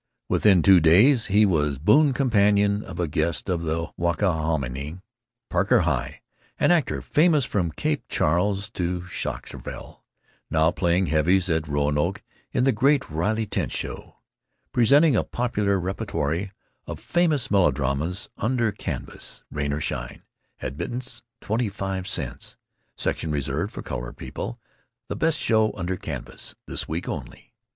Within two days he was boon companion of a guest of the Waskahominie—Parker Heye, an actor famous from Cape Charles to Shockeysville, now playing heavies at Roanoke in the Great Riley Tent Show, Presenting a Popular Repertoire of Famous Melodramas under Canvas, Rain or Shine, Admittance Twenty five Cents, Section Reserved for Colored People, the Best Show under Canvas, This Week Only.